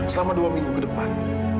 selama dua minggu ke depan